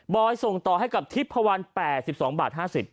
บอยส่งต่อให้กับทิพพวัน๘๒บาท๕๐